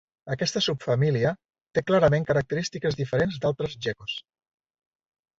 Aquesta subfamília té clarament característiques diferents d'altres geckos.